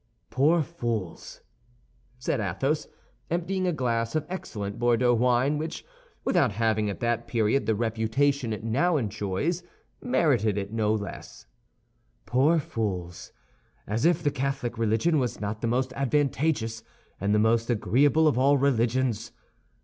"Poor fools!" said Athos, emptying a glass of excellent Bordeaux wine which, without having at that period the reputation it now enjoys, merited it no less, "poor fools! As if the Catholic religion was not the most advantageous and the most agreeable of all religions!